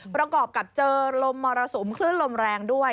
ประกอบกับเจอลมมรสุมคลื่นลมแรงด้วย